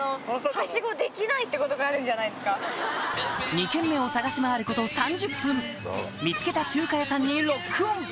２軒目を探し回ること３０分見つけた中華屋さんにロックオン！